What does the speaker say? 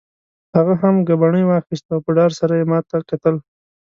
هغه هم ګبڼۍ واخیست او په ډار سره یې ما ته کتل.